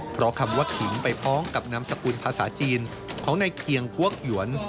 เพราะคำว่าขิงไปพร้อมกับนามสกุลภาษาจีนของในเคียงพวกหยวน